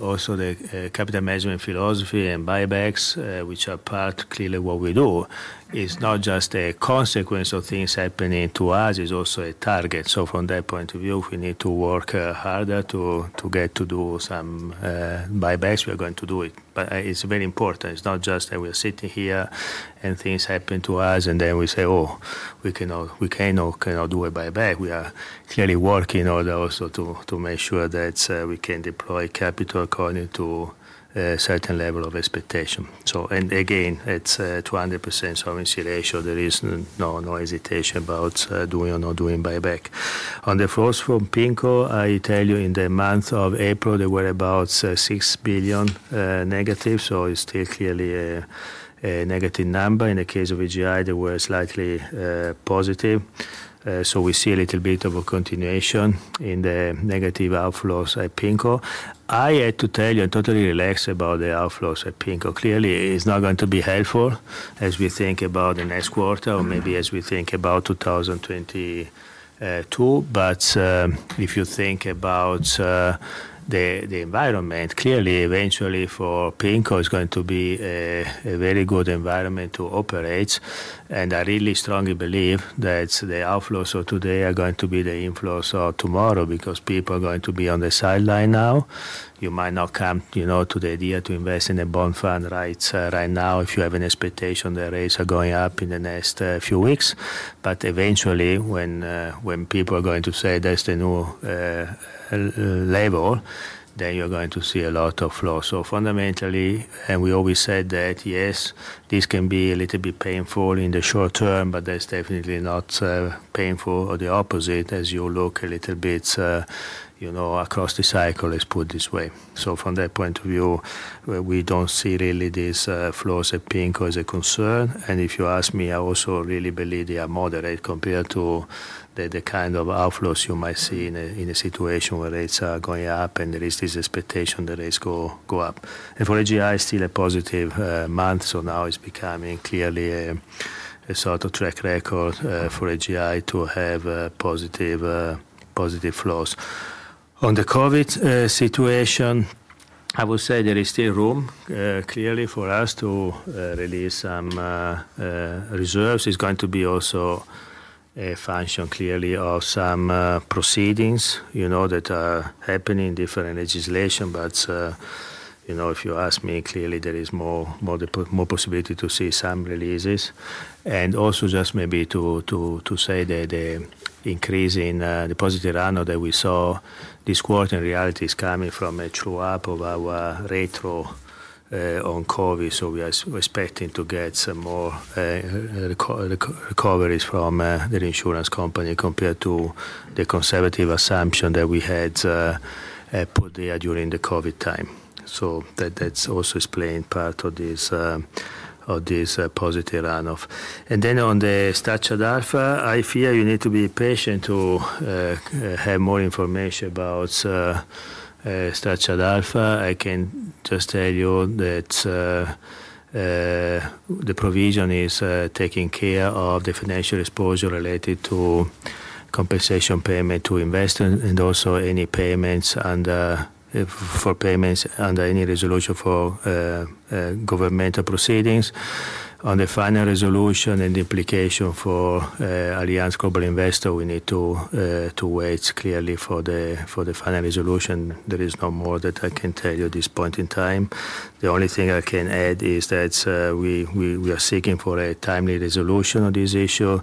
also the capital management philosophy and buybacks, which are part clearly what we do, is not just a consequence of things happening to us, it's also a target. From that point of view, if we need to work harder to get to do some buybacks, we are going to do it. It's very important. It's not just that we're sitting here and things happen to us, and then we say, "Oh, we cannot, we can or cannot do a buyback." We are clearly working in order also to make sure that we can deploy capital according to a certain level of expectation. Again, it's 200% solvency ratio. There is no hesitation about doing or not doing buyback. On the flows from PIMCO, I tell you in the month of April, there were about 6 billion negative, so it's still clearly a negative number. In the case of AGI, they were slightly positive. We see a little bit of a continuation in the negative outflows at PIMCO. I have to tell you, I'm totally relaxed about the outflows at PIMCO. Clearly, it's not going to be helpful as we think about the next quarter or maybe as we think about 2022. If you think about the environment, clearly, eventually for PIMCO, it's going to be a very good environment to operate. I really strongly believe that the outflows of today are going to be the inflows of tomorrow because people are going to be on the sidelines now. You might not come, you know, to the idea to invest in a bond fund right now if you have an expectation the rates are going up in the next few weeks. Eventually, when people are going to say there's the new level, then you're going to see a lot of loss. Fundamentally, and we always said that, yes, this can be a little bit painful in the short term, but that's definitely not painful or the opposite as you look a little bit, you know, across the cycle, let's put it this way. From that point of view, we don't see really these flows as being or as a concern. If you ask me, I also really believe they are moderate compared to the kind of outflows you might see in a situation where rates are going up and there is this expectation that rates go up. For AGI, still a positive month. Now it's becoming clearly a sort of track record for AGI to have positive flows. On the COVID situation, I will say there is still room clearly for us to release some reserves. It's going to be also a function clearly of some proceedings, you know, that are happening, different legislation. You know, if you ask me, clearly there is more possibility to see some releases. Also just maybe to say that the increase in the positive run that we saw this quarter in reality is coming from a true-up of our retro on COVID. We are expecting to get some more recoveries from the insurance company compared to the conservative assumption that we had put there during the COVID time. That also explains part of this positive run-off. Then on the Structured Alpha, I fear you need to be patient to have more information about Structured Alpha. I can just tell you that the provision is taking care of the financial exposure related to compensation payment to investors and also any payments under any resolution for governmental proceedings. On the final resolution and the implication for Allianz Global Investors, we need to wait clearly for the final resolution. There is no more that I can tell you at this point in time. The only thing I can add is that we are seeking for a timely resolution of this issue.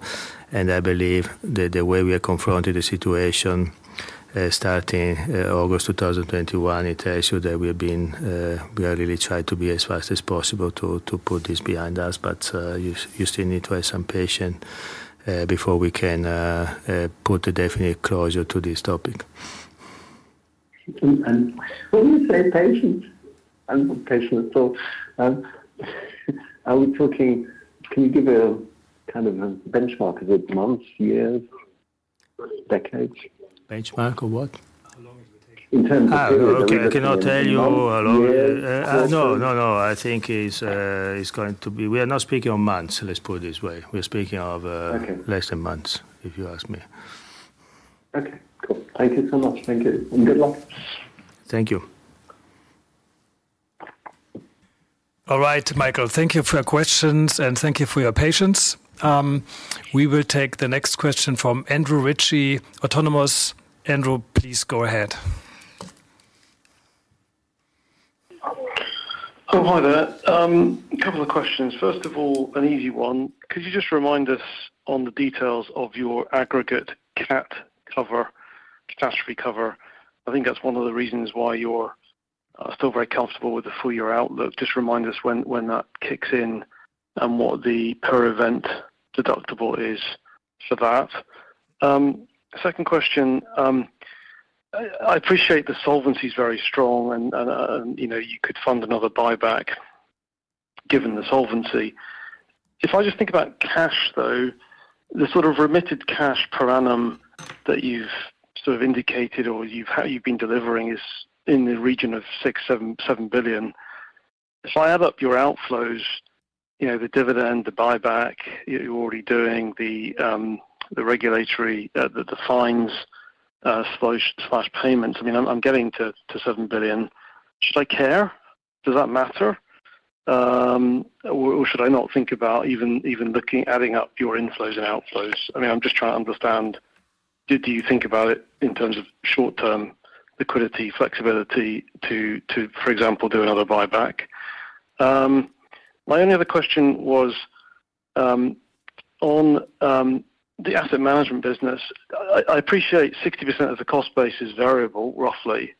I believe the way we are confronting the situation starting August 2021 tells you that we are really trying to be as fast as possible to put this behind us. You still need to have some patience before we can put a definite closure to this topic. When you say patient, I'm not patient at all. Are we talking? Can you give a kind of a benchmark? Is it months, years, decades? Benchmark of what? How long is it taking? Okay. I cannot tell you how long. In terms of giving you amounts, years. No, no. I think it's going to be. We are not speaking of months, let's put it this way. We're speaking of, Okay. Less than months, if you ask me. Okay, cool. Thank you so much. Thank you. Good luck. Thank you. All right, Michael, thank you for your questions, and thank you for your patience. We will take the next question from Andrew Ritchie, Autonomous. Andrew, please go ahead. Hi there. A couple of questions. First of all, an easy one. Could you just remind us on the details of your aggregate cat cover, catastrophe cover? I think that's one of the reasons why you're still very comfortable with the full year outlook. Just remind us when that kicks in and what the per event deductible is for that. Second question. I appreciate the solvency is very strong and you know, you could fund another buyback given the solvency. If I just think about cash, though, the sort of remitted cash per annum that you've sort of indicated or how you've been delivering is in the region of 6 billion-7 billion. If I add up your outflows, you know, the dividend, the buyback you're already doing, the regulatory, the fines, slash slash payments, I mean, I'm getting to 7 billion. Should I care? Does that matter? Or should I not think about even looking, adding up your inflows and outflows? I mean, I'm just trying to understand, do you think about it in terms of short-term liquidity, flexibility to, for example, do another buyback? My only other question was on the asset management business. I appreciate 60% of the cost base is variable, roughly.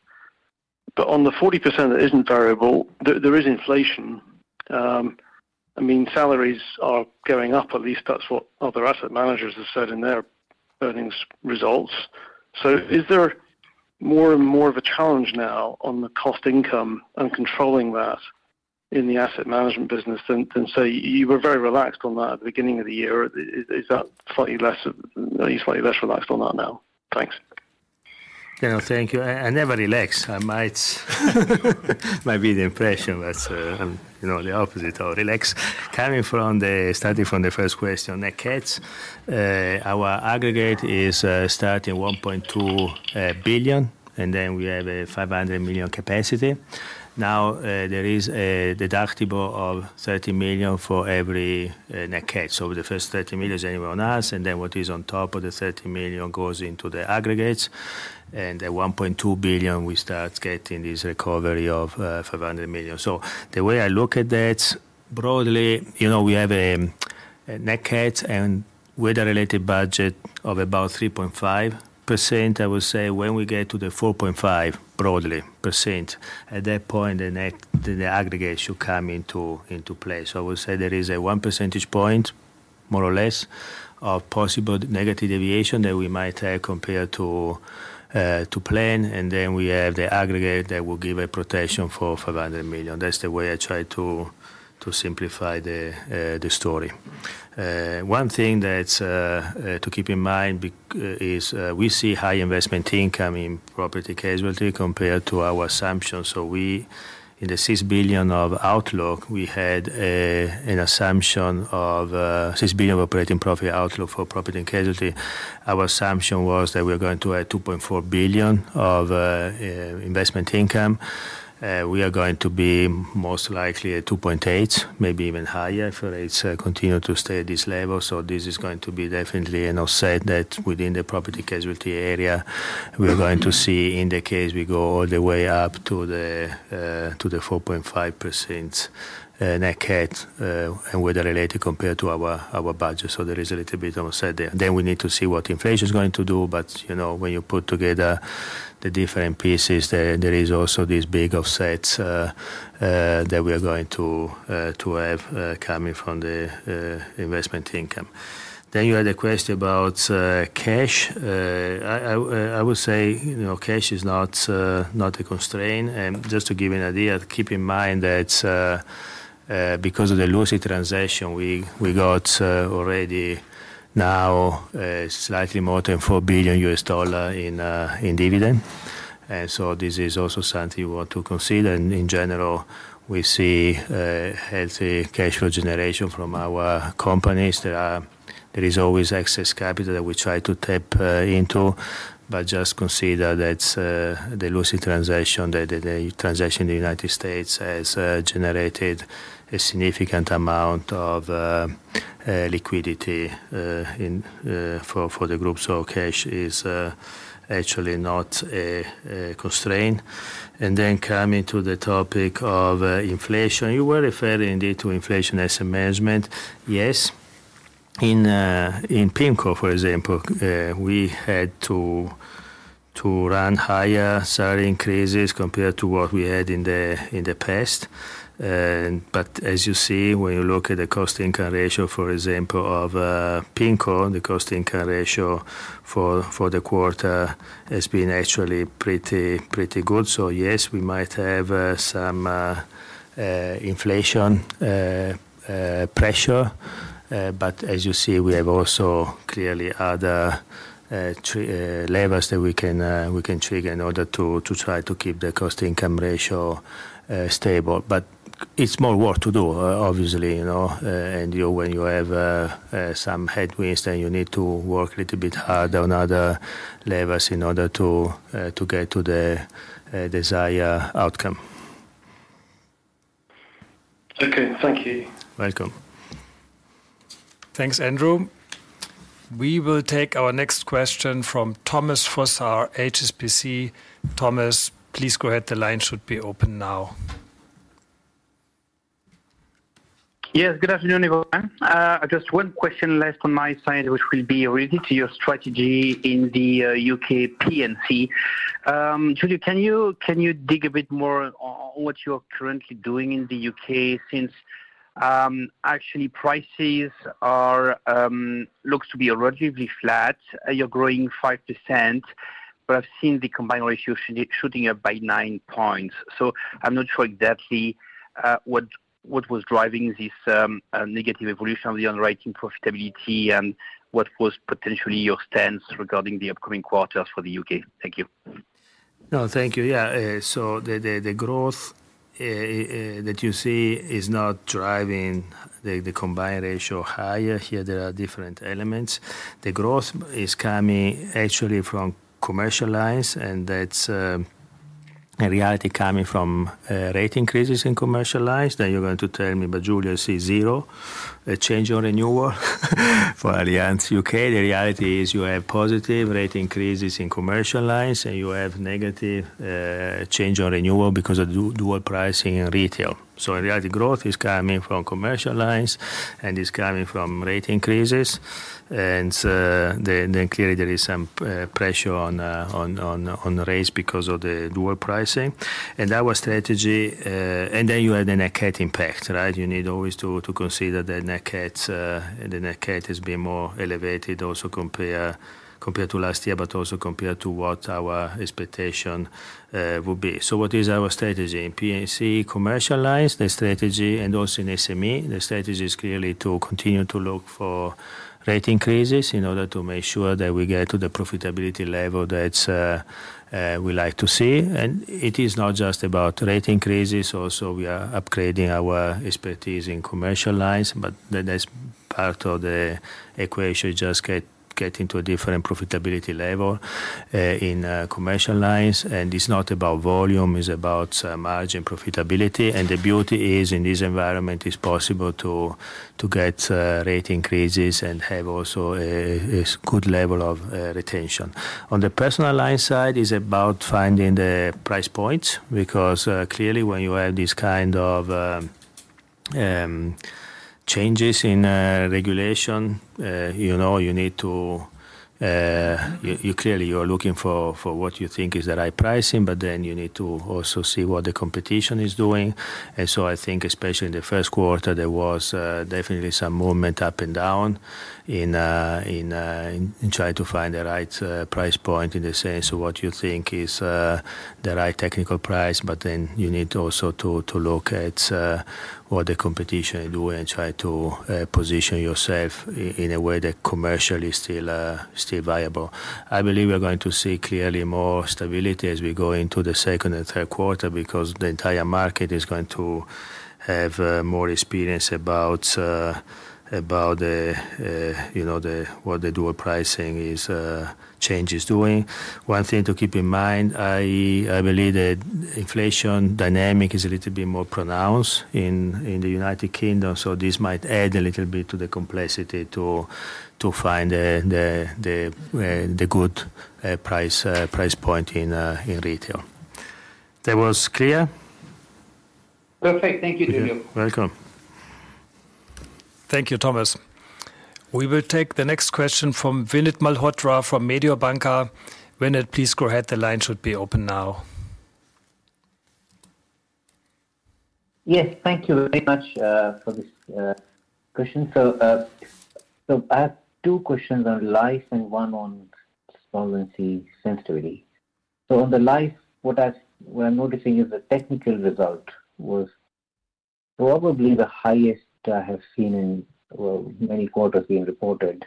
But on the 40% that isn't variable, there is inflation. I mean, salaries are going up, at least that's what other asset managers have said in their earnings results. Is there more and more of a challenge now on the cost-income and controlling that in the asset management business than, say, you were very relaxed on that at the beginning of the year? Is that slightly less, are you slightly less relaxed on that now? Thanks. No, thank you. I never relax. I might be the impression, but, I'm, you know, the opposite of relaxed. Starting from the first question, net CAT, our aggregate is starting 1.2 billion, and then we have a 500 million capacity. Now, there is a deductible of 30 million for every net CAT. So the first 30 million is on us, and then what is on top of the 30 million goes into the aggregates. At 1.2 billion, we start getting this recovery of 500 million. The way I look at that, broadly, you know, we have a net CAT and weather related budget of about 3.5%. I would say when we get to the 4.5%, broadly, at that point, the aggregate should come into play. I would say there is a 1 percentage point, more or less, of possible negative deviation that we might have compared to plan. Then we have the aggregate that will give a protection for 500 million. That's the way I try to simplify the story. One thing that's to keep in mind is we see high investment income in property casualty compared to our assumptions. We, in the 6 billion of outlook, we had an assumption of 6 billion of operating profit outlook for property casualty. Our assumption was that we are going to add 2.4 billion of investment income. We are going to be most likely at 2.8%, maybe even higher if rates continue to stay at this level. This is going to be definitely an offset that within the Property & Casualty area we are going to see in the case we go all the way up to the 4.5% net CAT and weather-related compared to our budget. There is a little bit of offset there. We need to see what inflation is going to do. You know, when you put together the different pieces, there is also these big offsets that we are going to have coming from the investment income. You had a question about cash. I would say, you know, cash is not a constraint. Just to give you an idea, keep in mind that because of the Lucy transaction, we got already now slightly more than $4 billion in dividend. This is also something you want to consider. In general, we see healthy cash flow generation from our companies. There is always excess capital that we try to tap into. Just consider that the Lucy transaction, the transaction in the United States has generated a significant amount of liquidity for the group. Cash is actually not a constraint. Coming to the topic of inflation. You were referring indeed to inflation as a management. Yes. In PIMCO, for example, we had to run higher salary increases compared to what we had in the past. As you see, when you look at the cost-income ratio, for example, of PIMCO, the cost-income ratio for the quarter has been actually pretty good. Yes, we might have some inflation pressure. As you see, we have also clearly other levers that we can trigger in order to try to keep the cost-income ratio stable. It's more work to do, obviously, you know. When you have some headwinds then you need to work a little bit harder on other levers in order to get to the desired outcome. Okay. Thank you. Welcome. Thanks, Andrew. We will take our next question from Thomas Fossard, HSBC. Thomas, please go ahead. The line should be open now. Yes, good afternoon, everyone. Just one question left on my side, which will be related to your strategy in the U.K. P&C. Giulio, can you dig a bit more on what you're currently doing in the U.K. since actually prices are looking to be relatively flat. You're growing 5%, but I've seen the combined ratio shooting up by 9 points. I'm not sure exactly what was driving this negative evolution on the underwriting profitability and what was potentially your stance regarding the upcoming quarters for the U.K. Thank you. No, thank you. Yeah. The growth that you see is not driving the combined ratio higher. Here there are different elements. The growth is coming actually from commercial lines, and that's a reality coming from rate increases in commercial lines. You're going to tell me, "But Giulio, I see zero change on renewal for Allianz U.K." The reality is you have positive rate increases in commercial lines, and you have negative change on renewal because of dual pricing in retail. In reality, growth is coming from commercial lines, and it's coming from rate increases. Clearly there is some pressure on rates because of the dual pricing. Our strategy. You have the net cat impact, right? You need always to consider the net cat. The net CAT has been more elevated also compare to last year, but also compare to what our expectation will be. What is our strategy? In P&C commercial lines, the strategy, and also in SME, the strategy is clearly to continue to look for rate increases in order to make sure that we get to the profitability level that we like to see. It is not just about rate increases, also we are upgrading our expertise in commercial lines, but that's part of the equation, just get into a different profitability level in commercial lines. It's not about volume, it's about margin profitability. The beauty is in this environment it's possible to get rate increases and have also a good level of retention. On the personal lines side, it's about finding the price points, because clearly when you have this kind of changes in regulation, you know, you need to clearly you are looking for what you think is the right pricing, but then you need to also see what the competition is doing. I think especially in the first quarter, there was definitely some movement up and down in trying to find the right price point in the sense of what you think is the right technical price, but then you need also to look at what the competition is doing and try to position yourself in a way that commercially is still viable. I believe we are going to see clearly more stability as we go into the second and third quarter because the entire market is going to have more experience about what the dual pricing change is doing. One thing to keep in mind, I believe that inflation dynamic is a little bit more pronounced in the United Kingdom, so this might add a little bit to the complexity to find the good price point in retail. That was clear? Perfect. Thank you, Giulio. You're welcome. Thank you, Thomas. We will take the next question from Vinit Malhotra from Mediobanca. Vinit, please go ahead. The line should be open now. Yes. Thank you very much for this question. I have two questions on Life and one on solvency sensitivity. On the Life, we're noticing is the technical result was probably the highest I have seen in, well, many quarters being reported,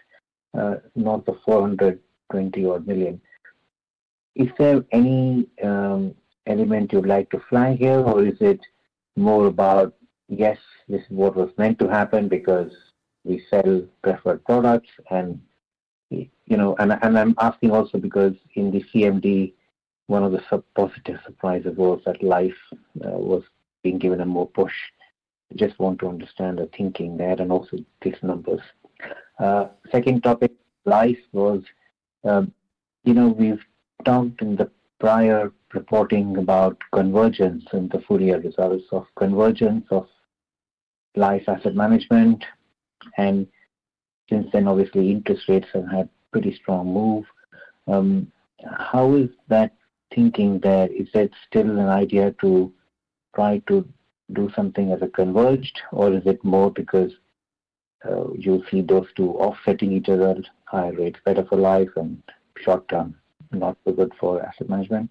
north of 420-odd million. Is there any element you'd like to flag here, or is it more about, yes, this is what was meant to happen because we sell preferred products and, you know. I'm asking also because in the CMD, one of the sub positive surprises was that Life was being given a more push. Just want to understand the thinking there and also these numbers. Second topic, Life was, you know, we've talked in the prior reporting about convergence in the full year results of convergence of Life asset management. Since then, obviously interest rates have had pretty strong move. How is that thinking there? Is that still an idea to try to do something as a converged, or is it more because, you see those two offsetting each other at higher rates, better for Life and short term, not so good for asset management?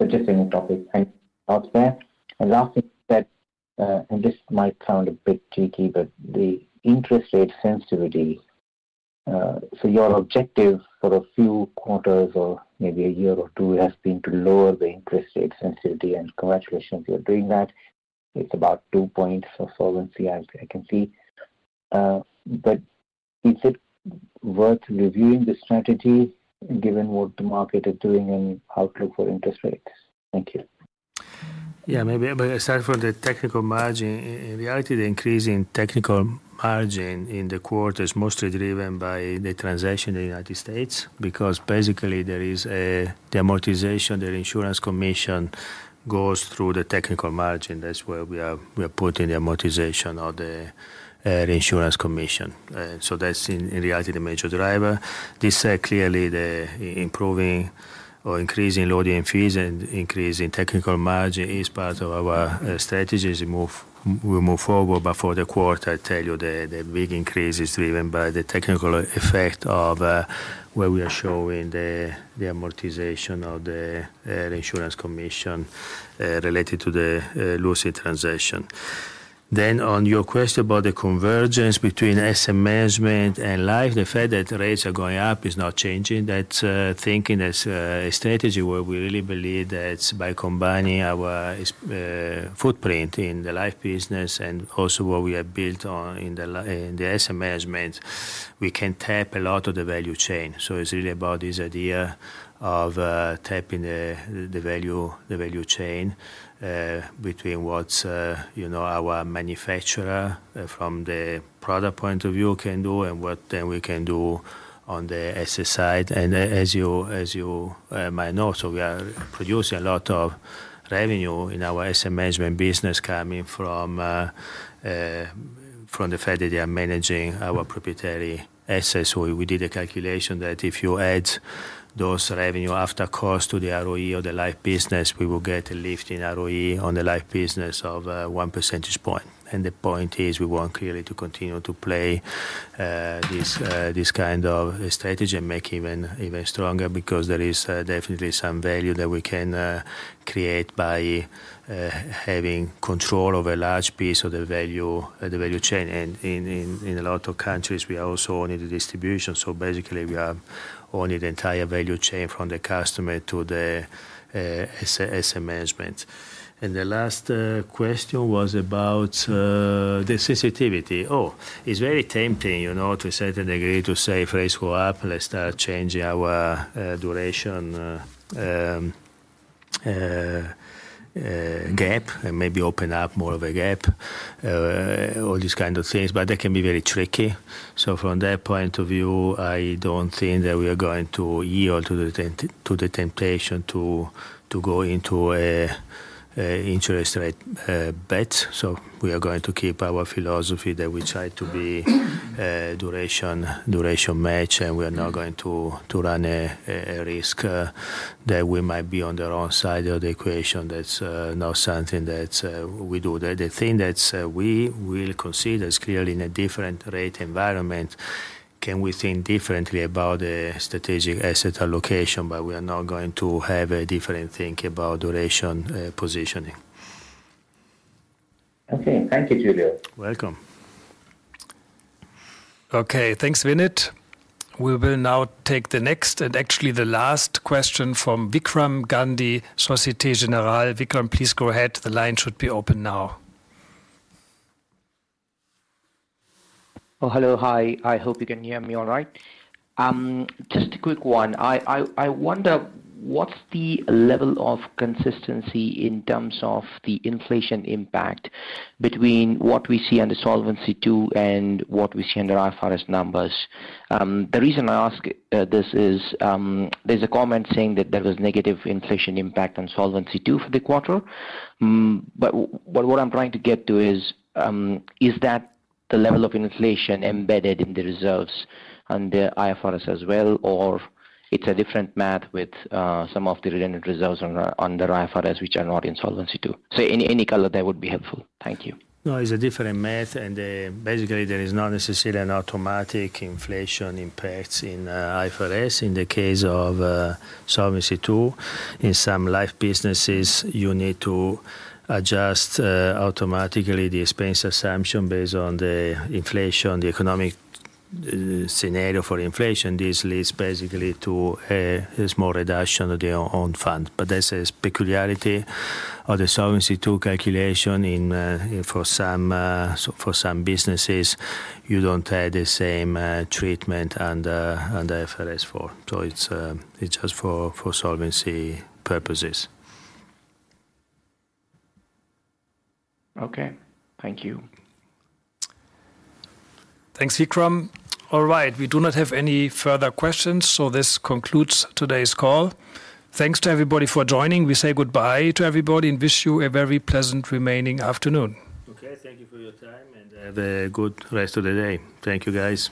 Just in the topic and out there. Last bit, and this might sound a bit cheeky, but the interest rate sensitivity. Your objective for a few quarters or maybe a year or two has been to lower the interest rate sensitivity, and congratulations, you're doing that. It's about two points of solvency, I can see. Is it worth reviewing the strategy given what the market is doing and outlook for interest rates? Thank you. Maybe I start from the technical margin. In reality, the increase in technical margin in the quarter is mostly driven by the transaction in the United States because basically there is the amortization of the insurance commission goes through the technical margin. That's where we are putting the amortization of the insurance commission. So that's in reality the major driver. Clearly the improving or increasing loading fees and increasing technical margin is part of our strategy as we move forward. For the quarter, I tell you the big increase is driven by the technical effect of where we are showing the amortization of the insurance commission related to the Lucy transaction. On your question about the convergence between asset management and life, the fact that rates are going up is not changing. That's thinking as a strategy where we really believe that by combining our footprint in the life business and also what we have built on in the asset management, we can tap a lot of the value chain. It's really about this idea of tapping the value chain between what, you know, our manufacturing from the product point of view can do and what then we can do on the asset side. As you might know, we are producing a lot of revenue in our asset management business coming from the fact that we are managing our proprietary assets. We did a calculation that if you add those revenue after cost to the ROE of the Life business, we will get a lift in ROE on the Life business of 1 percentage point. The point is we want clearly to continue to play this kind of strategy and make even stronger because there is definitely some value that we can create by having control of a large piece of the value chain. In a lot of countries, we are also owning the distribution. Basically we are owning the entire value chain from the customer to the asset management. The last question was about the sensitivity. Oh, it's very tempting, you know, to a certain degree to say rates go up, let's start changing our duration gap and maybe open up more of a gap. All these kind of things, but they can be very tricky. From that point of view, I don't think that we are going to yield to the temptation to go into an interest rate bet. We are going to keep our philosophy that we try to be duration match, and we are not going to run a risk that we might be on the wrong side of the equation. That's not something that we do. The thing that we will consider is clearly in a different rate environment. Can we think differently about the strategic asset allocation? We are not going to have a different think about duration positioning. Okay. Thank you, Giulio. Welcome. Okay, thanks Vinit. We will now take the next, and actually the last question from Vikram Gandhi, Société Générale. Vikram, please go ahead. The line should be open now. Oh, hello. Hi, I hope you can hear me all right. Just a quick one. I wonder what's the level of consistency in terms of the inflation impact between what we see under Solvency II and what we see under IFRS numbers. The reason I ask, this is, there's a comment saying that there was negative inflation impact on Solvency II for the quarter. But what I'm trying to get to is that the level of inflation embedded in the results on the IFRS as well, or it's a different math with, some of the related results on the IFRS which are not in Solvency II? Any color there would be helpful. Thank you. No, it's a different math, and basically there is not necessarily an automatic inflation impacts in IFRS. In the case of Solvency II, in some life businesses, you need to adjust automatically the expense assumption based on the inflation, the economic scenario for inflation. This leads basically to a small reduction of their own funds. That's a peculiarity of the Solvency II calculation in for some businesses, you don't have the same treatment under IFRS 4. It's just for solvency purposes. Okay. Thank you. Thanks, Vikram. All right. We do not have any further questions, so this concludes today's call. Thanks to everybody for joining. We say goodbye to everybody and wish you a very pleasant remaining afternoon. Okay. Thank you for your time, and have a good rest of the day. Thank you, guys.